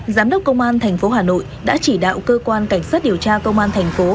giám đốc công an tp hà nội đã chỉ đạo cơ quan cảnh sát điều tra công an tp